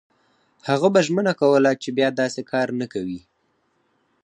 هغه به ژمنه کوله چې بیا داسې کار نه کوي.